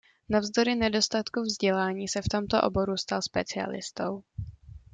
Navzdory nedostatku vzdělání se v tomto oboru stal specialistou.